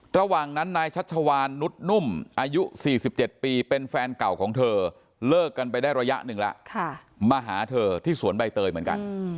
ระหว่างนั้นนายชัชวานนุษย์นุ่มอายุ๔๗ปีเป็นแฟนเก่าของเธอเลิกกันไปได้ระยะหนึ่งแล้วมาหาเธอที่สวนใบเตยเหมือนกัน